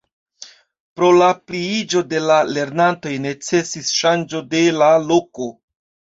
Pro la pliiĝo de la lernantoj necesis ŝanĝo de la loko.